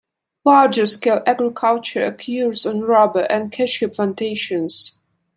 Larger-scale agriculture occurs on rubber and cashew plantations.